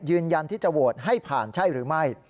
ยืนยันที่จะโหวตให้ผ่านใช่หรือไม่